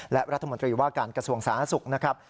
และรัฐมนตรีว่าการกระทรวงสาธารณสุขนะครับ